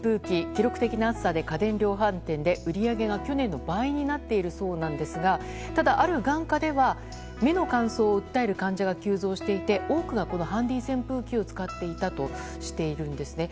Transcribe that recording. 記録的な暑さで家電量販店で売り上げが去年の倍になっているそうなんですがただある眼科では、目の乾燥を訴える患者が急増していて多くがこのハンディー扇風機を使っていたとしているんですね。